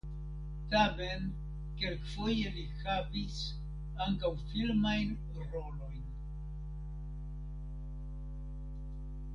Tamen kelkfoje li havis ankaŭ filmajn rolojn.